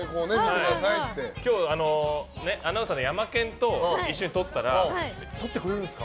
今日、アナウンサーでヤマケンと一緒に撮ったら撮ってくれるんですか？